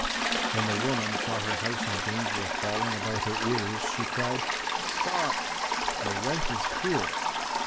When the woman saw her house in danger of falling about her ears, she cried, "Stop; your wife is here."